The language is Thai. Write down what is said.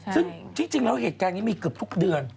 ซึ่งที่จริงแล้วเหตุการณ์นี้มีเกือบทุกเดือน